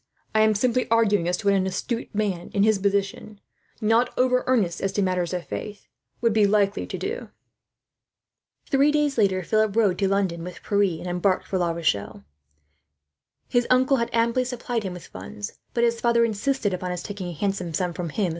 I am simply arguing as to what an astute and politic man, in his position, not over earnest as to matters of faith, would be likely to do." Three days later, Philip rode to London with Pierre and embarked for La Rochelle. His uncle had amply supplied him with funds, but his father insisted upon his taking a handsome sum from him.